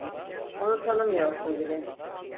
Onu tanımıyorsun bile.